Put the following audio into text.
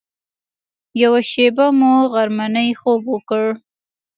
یوه شېبه مو غرمنۍ خوب وکړ.